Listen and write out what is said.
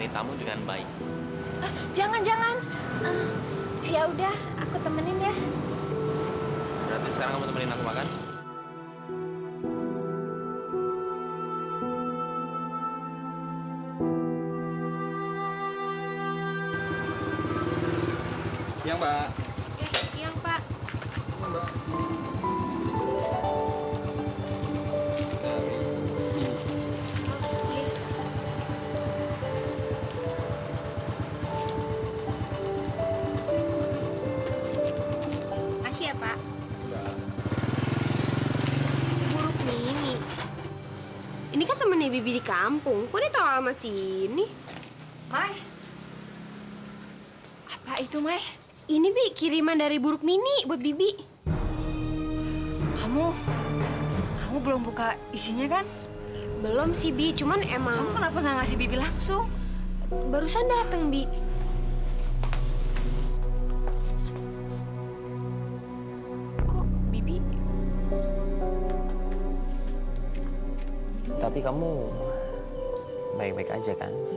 sampai jumpa di video selanjutnya